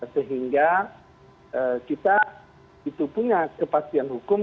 sehingga kita itu punya kepastian hukum